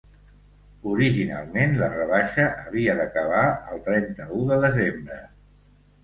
Originalment, la rebaixa havia d’acabar el trenta-u de desembre.